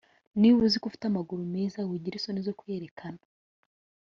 niba uziko ufite amaguru meza wigira isoni zo kuyerekana